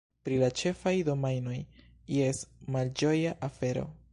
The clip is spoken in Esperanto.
Pri la ĉefaj domajnoj, jes, malĝoja afero.